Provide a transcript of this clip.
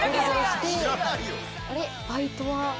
バイトは？